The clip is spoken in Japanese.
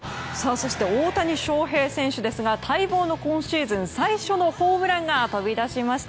そして大谷翔平選手ですが待望の今シーズン最初のホームランが飛び出しました。